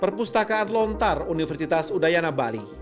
perpustakaan lontar universitas udayana bali